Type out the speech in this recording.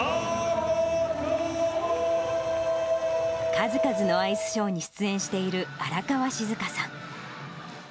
数々のアイスショーに出演している荒川静香さん。